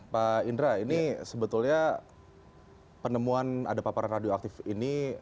pak indra ini sebetulnya penemuan ada paparan radioaktif ini